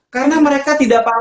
karena mereka tidak paham